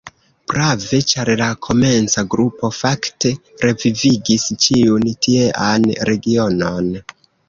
Prave, ĉar la komenca grupo fakte revivigis ĉiun tiean regionon.